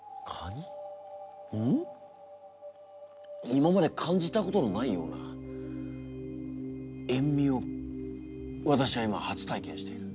今まで感じたことのないような塩味をわたしは今初体験している。